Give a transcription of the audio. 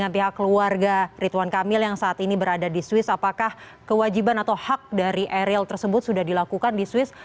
pihak keluarga ridwan kamil yang saat ini berada di swiss apakah kewajiban atau hak dari eril tersebut sudah dilakukan di swiss